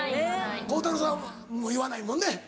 鋼太郎さんも言わないもんね？